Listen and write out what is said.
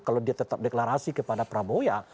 kalau dia tetap deklarasi kepada prabowo ya